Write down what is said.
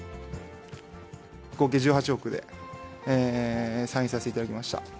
合計１８億でサインさせていただきました。